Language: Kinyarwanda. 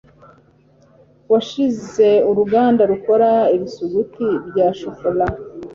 washinze uruganda rukora ibisuguti bya chocolat